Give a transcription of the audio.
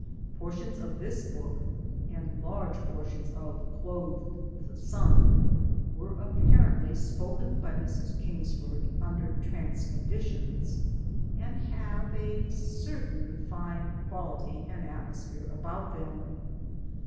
Portions of this book, and large portions of Clothe\d with the Sun were apparently spoken by Mrs. Kingsford under trance conditions, and have a certain fine quality and atmosphere about them.